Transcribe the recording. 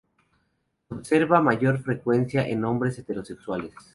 Se observa mayor frecuencia en hombres heterosexuales.